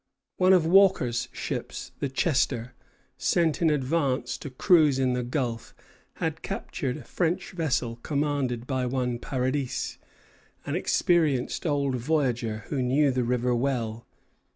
One of Walker's ships, the "Chester," sent in advance to cruise in the Gulf, had captured a French vessel commanded by one Paradis, an experienced old voyager, who knew the river well.